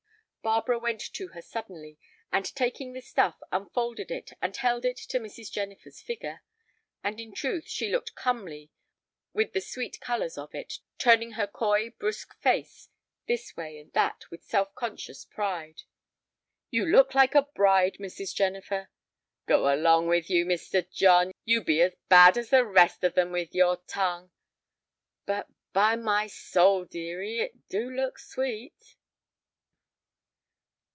Barbara went to her suddenly, and, taking the stuff, unfolded it, and held it to Mrs. Jennifer's figure. And in truth she looked comely with the sweet colors of it, turning her coy, brusque face this way and that with self conscious pride. "You look like a bride, Mrs. Jennifer." "Go along with you, Mr. John, you be as bad as the rest of them with your tongue. But, by my soul, dearie, it do look sweet!"